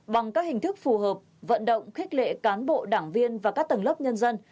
bằng các hình thức phù hợp vận động khích lệ cán bộ đảng viên và các tầng lớp nhân dân